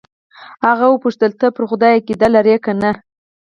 هغه وپوښتل ته پر خدای عقیده لرې که نه.